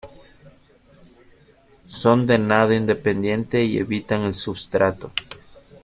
Son de nado independiente y evitan el substrato.